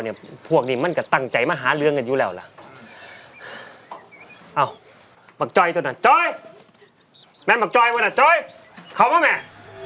ในการขาดเราอยู่ไม่ก่อน